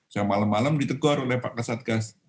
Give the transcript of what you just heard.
saya malam malam ditegur oleh pak kasatgas